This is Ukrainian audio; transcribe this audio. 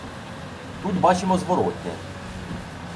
Тут бачимо зворотне